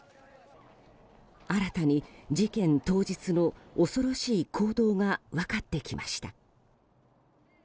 新たに事件当日の恐ろしい行動が分かってきました。